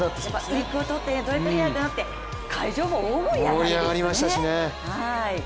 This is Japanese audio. ウイッグをとってドレッドヘアーとなって会場も大盛り上がりでしたよね。